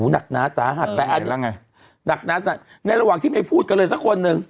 นากหนาสาหัดในระหว่างที่ไม่พูดกันเลยสักคนนึง